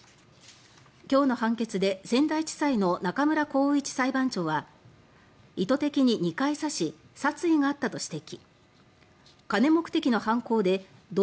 今日の判決で仙台地裁の中村光一裁判長は意図的に２回刺し殺意があったと指摘。